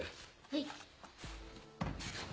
はい。